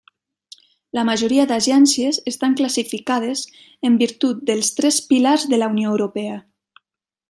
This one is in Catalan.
La majoria d'agències estan classificades en virtut dels tres pilars de la Unió Europea.